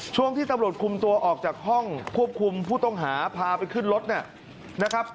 ช่วงที่ตำรวจคุมตัวออกจากห้องควบคุมผู้ต้องหาพาไปขึ้นรถเนี่ยนะครับ